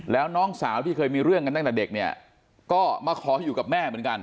แล้วน้องสาวที่เคยมีเรื่องกันตั้งแต่เด็กเนี่ยก็มาขออยู่กับแม่เหมือนกัน